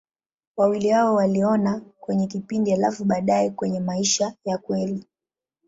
Wawili hao waliona kwenye kipindi, halafu baadaye kwenye maisha ya kweli.